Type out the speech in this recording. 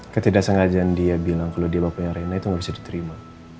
ketidaksengajaan dia bilang kalo dia bapanya reina itu nggak bisa diterima